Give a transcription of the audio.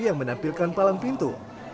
yang menampilkan palang pintu